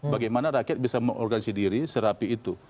bagaimana rakyat bisa mengorganisasi diri serapi itu